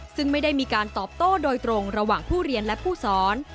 ซึ่งไม่ได้มีการตอบโต้โดยตรงระหว่างผู้เรียนและผู้สอน